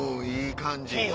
いい感じ！